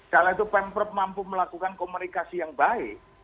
karena itu pemprov mampu melakukan komunikasi yang baik